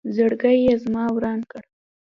زړګې یې زما وران کړ